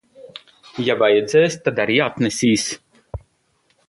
Ja vajadzēs, tad arī atnesīs.